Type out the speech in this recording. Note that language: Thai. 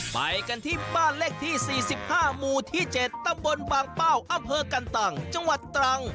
ไปกันที่บ้านเลขที่๔๕หมู่ที่๗ตำบลบางเป้าอำเภอกันตังจังหวัดตรัง